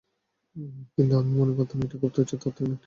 কিন্তু আমি মনে করতাম এটি খুব তুচ্ছ এবং অর্থহীন একটি বিষয়।